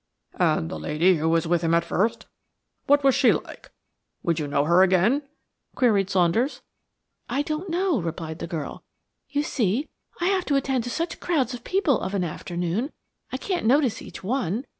"And the lady who was with him at first, what was she like? Would you know her again?" queried Saunders. "I don't know," replied the girl; "you see, I have to attend to such crowds of people of an afternoon, I can't notice each one.